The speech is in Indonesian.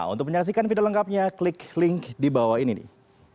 untuk menyaksikan video lengkapnya klik link di bawah ini nih